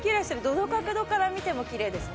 どの角度から見てもきれいですね。